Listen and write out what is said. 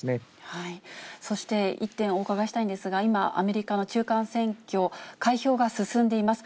そして、１点お伺いしたいんですが、今、アメリカの中間選挙、開票が進んでいます。